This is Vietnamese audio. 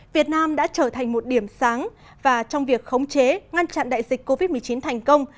việt nam đã trở thành một điểm sáng và trong việc khống chế ngăn chặn đại dịch covid một mươi chín thành công